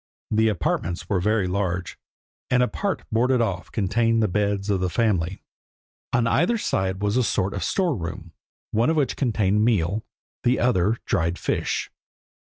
The apartments were very large, and a part boarded off contained the beds of the family. On either side was a sort of store room, one of which contained meal, the other dried fish.